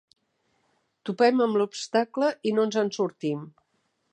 Topem amb l'obstacle i no ens en sortim.